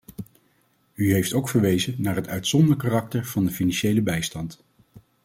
U heeft ook verwezen naar het uitzonderlijke karakter van de financiële bijstand.